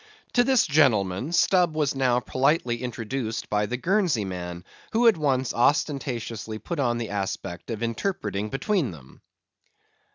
To this gentleman, Stubb was now politely introduced by the Guernsey man, who at once ostentatiously put on the aspect of interpreting between them.